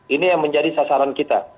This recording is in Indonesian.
ini yang menjadi sasaran